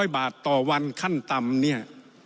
๐บาทต่อวันขั้นต่ำเนี่ย